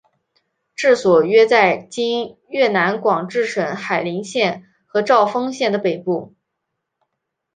治所约在今越南广治省海陵县和肇丰县的北部。